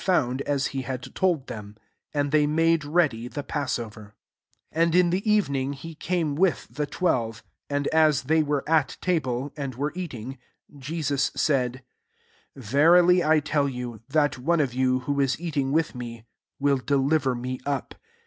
fi[>iiDd a» he had told them : and they made ready the passover; \7 And in the e^ebix^ he came with the twelva \% Ai»4 as they were at table, and w^t« eating, Jesus said, "Verily I tell you, that one of }Km» who is eating with me, will deliver me up."